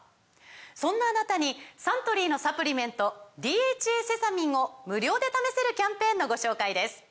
そんなあなたにサントリーのサプリメント「ＤＨＡセサミン」を無料で試せるキャンペーンのご紹介です